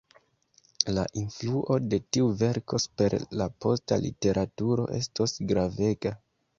La influo de tiu verko super la posta literaturo estos gravega.